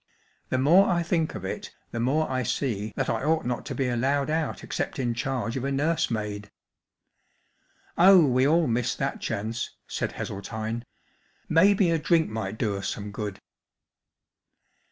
The more I think of it the more I see that I ought not to be allowed out except in charge of a nursemaid." " Oh, we all missed that chance,*' said Hessel¬ tine. " Maybe a drink might do us some good."